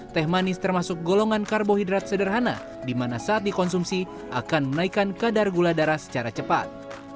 teh manis termasuk golongan karbohidrat sederhana di mana saat dikonsumsi akan menaikkan kadar gula darah secara cepat